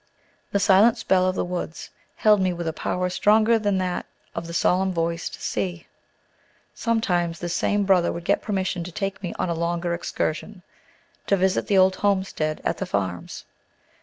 The silent spell of the woods held me with a power stronger even than that of the solemn voiced sea. Sometimes this same brother would get permission to take me on a longer excursion, to visit the old homestead at "The Farms."